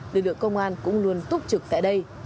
lực lượng công an cũng luôn túc trực tại đây